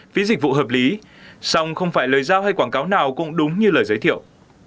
phí dịch vụ hợp lý song không phải lời giao hay quảng cáo nào cũng đúng như lời giới thiệu